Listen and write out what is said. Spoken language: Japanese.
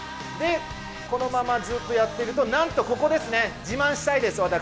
このままずっとやってると、なんとここですね、自慢したいです、私。